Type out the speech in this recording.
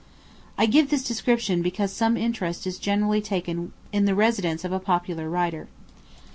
I give this description because some interest is generally taken in the residence of a popular writer.